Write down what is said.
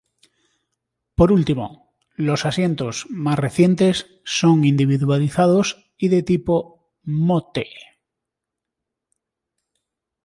Por último, los asientos, más recientes, son individualizados y de tipo "Motte".